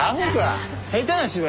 下手な芝居すな。